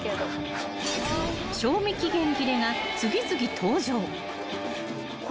［賞味期限切れが次々登場］